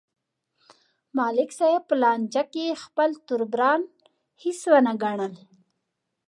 ملک صاحب په لانجه کې خپل تربوران خس ونه گڼل